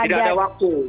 tidak ada waktu